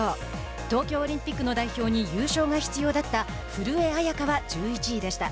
東京オリンピックの代表に優勝が必要だった古江彩佳は１１位でした。